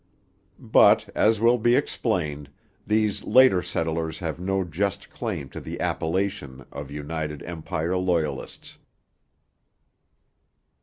But, as will be explained, these later settlers have no just claim to the appellation of United Empire Loyalists.